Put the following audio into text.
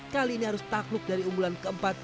kali ini harus takluk dari unggulan keempat